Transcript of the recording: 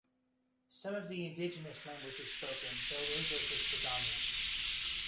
Some of the indigenous language is spoken though English is predominant.